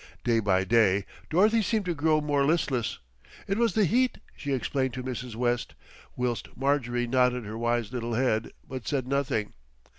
Day by day Dorothy seemed to grow more listless. It was the heat, she explained to Mrs. West, whilst Marjorie nodded her wise little head, but said nothing.